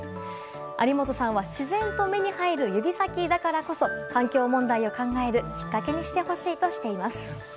有本さんは自然と目に入る指先だからこそ環境問題を考えるきっかけにしてほしいとしています。